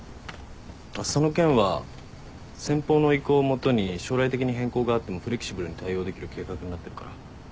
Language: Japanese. その件は先方の意向をもとに将来的に変更があってもフレキシブルに対応できる計画になってるから。